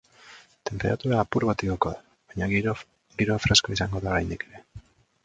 Tenperatura apur bat igoko da, baina giroa freskoa izango da oraindik ere.